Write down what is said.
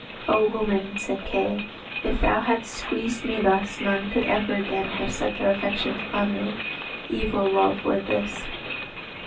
"O woman," said Kay, "if thou hadst squeezed me thus, none could ever again have set their affections on me. Evil love were this."